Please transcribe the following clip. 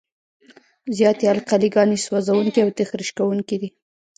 زیاتې القلي ګانې سوځونکي او تخریش کوونکي دي.